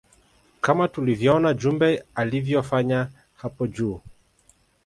Kama tulivyoona jumbe alivyofanya hapo juu